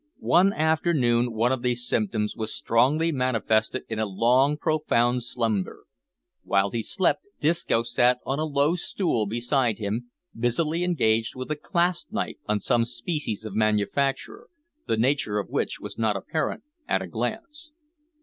One afternoon one of these symptoms was strongly manifested in a long, profound slumber. While he slept Disco sat on a low stool beside him, busily engaged with a clasp knife on some species of manufacture, the nature of which was not apparent at a glance.